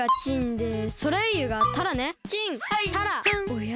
おや？